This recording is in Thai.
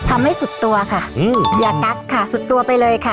ทำให้สุดตัวค่ะอืมอย่ากักค่ะสุดตัวไปเลยค่ะ